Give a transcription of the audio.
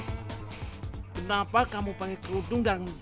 kenapa kamu pake kudung dalam dasar ini